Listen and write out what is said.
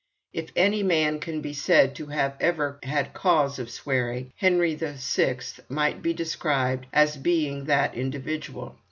If any man can be said to have ever had cause for swearing, Henry VI. might be described as being that individual.